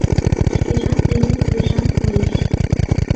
Шкежат эре свежан коеш.